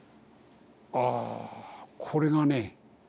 ああこれがね